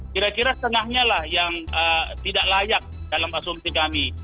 kira kira setengahnya lah yang tidak layak dalam asumsi kami